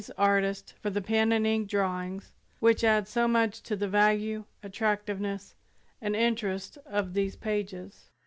's artist, for the pen and ink drawings which add so much to the value, attractiveness and interest of these pages.